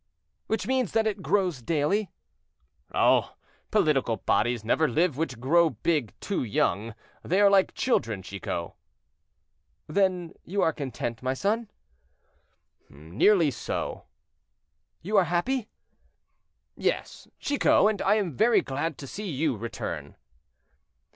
"Which means that it grows daily." "Oh! political bodies never live which grow big too young. They are like children, Chicot." "Then you are content, my son?" "Nearly so." "You are happy?" "Yes, Chicot, and I am very glad to see you return."